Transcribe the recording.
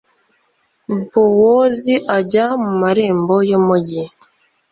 bowozi ajya mu marembo y'umugi